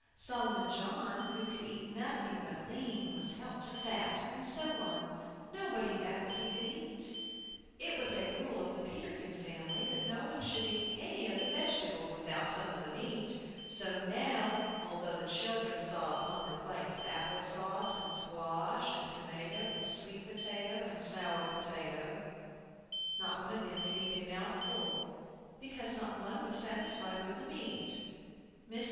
Solomon John, who could eat nothing but lean, was helped to fat, and so on. Nobody had what he could eat. It was a rule of the Peterkin family, that no one should eat any of the vegetables without some of the meat; so now, although the children saw upon their plates apple sauce and squash and tomato and sweet potato and sour potato, not one of them could eat a mouthful, because not one was satisfied with the meat. Mr.